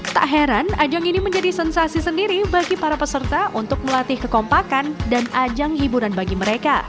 tak heran ajang ini menjadi sensasi sendiri bagi para peserta untuk melatih kekompakan dan ajang hiburan bagi mereka